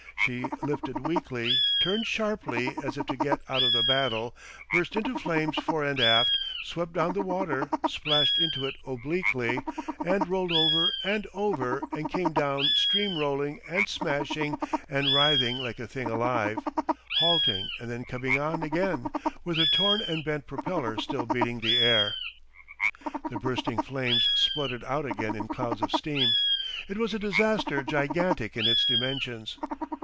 She lifted weakly, turned sharply as if to get out of the battle, burst into flames fore and aft, swept down to the water, splashed into it obliquely, and rolled over and over and came down stream rolling and smashing and writhing like a thing alive, halting and then coming on again, with her torn and bent propeller still beating the air. The bursting flames spluttered out again in clouds of steam. It was a disaster gigantic in its dimensions.